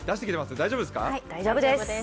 大丈夫です。